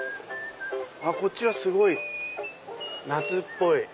こっちはすごい夏っぽい。